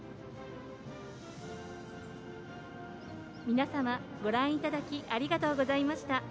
皆様、ご覧いただきありがとうございました。